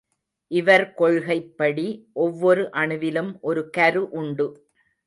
இவர் கொள்கைப்படி ஒவ்வொரு அணுவிலும் ஒரு கரு உண்டு.